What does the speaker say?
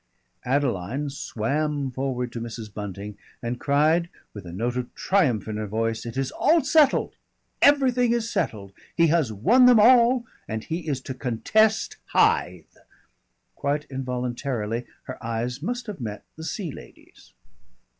Adeline swam forward to Mrs. Bunting and cried with a note of triumph in her voice: "It is all settled. Everything is settled. He has won them all and he is to contest Hythe." Quite involuntarily her eyes must have met the Sea Lady's.